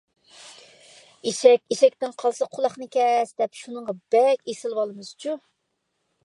«ئېشەك ئېشەكتىن قالسا قۇلاقنى كەس» دەپ، شۇنىڭغا بەك ئېسىلىۋالىمىزچۇ .